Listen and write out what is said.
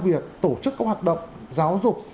việc tổ chức các hoạt động giáo dục